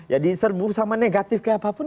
ya diserbu sama negatif kayak apapun